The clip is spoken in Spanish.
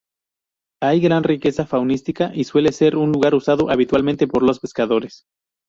Hay gran riqueza faunística y suele ser un lugar usado habitualmente por los pescadores.